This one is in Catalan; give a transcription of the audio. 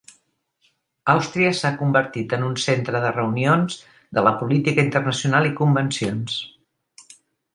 Àustria s'ha convertit en un centre de reunions de la política internacional i convencions.